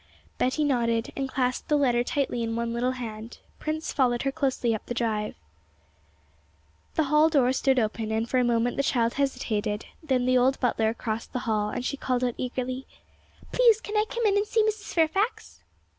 Betty nodded, and clasped the letter tightly in one little hand, Prince followed her closely up the drive. The hall door stood open, and for a moment the child hesitated; then the old butler crossed the hall, and she called out eagerly, 'Please, can I come in and see Mrs. Fairfax?'